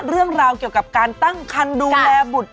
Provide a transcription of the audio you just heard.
เรื่องราวเกี่ยวกับการตั้งคันดูแลบุตร